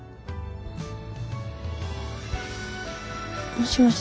もしもし？